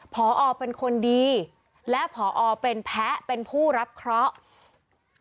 พอเป็นคนดีและผอเป็นแพ้เป็นผู้รับเคราะห์